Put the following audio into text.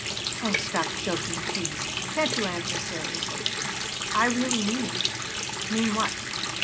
"Oh, stop joking, please! Can't you answer seriously?" "I really mean it." "Mean what?"